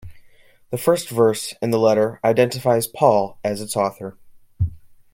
The first verse in the letter identifies Paul as its author.